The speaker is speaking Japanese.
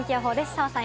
澤さん